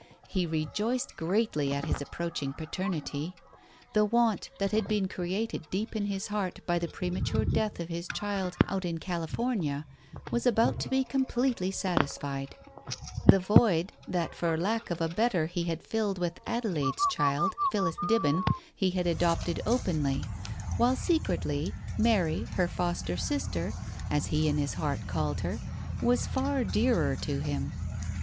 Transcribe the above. He rejoiced greatly at his approaching paternity. The want that had been created deep in his heart by the premature death of his child out in California was about to be completely satisfied; the void that for lack of a better he had filled with Adelaide's child, Phillis Dibben, he had adopted openly; while, secretly, Mary, her foster sister, as he in his heart called her, was far dearer to him.